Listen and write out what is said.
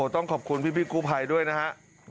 ต้องขอบคุณพี่พี่กลูไพไปด้วยนะฮะ